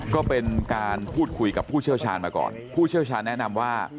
ก็เป็นการพูดคุยกับผู้เชี่ยวชาญมาก่อนผู้เชี่ยวชาญแนะนำว่า